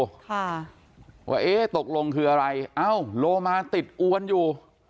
ค่ะว่าเอ๊ะตกลงคืออะไรเอ้าโลมาติดอวนอยู่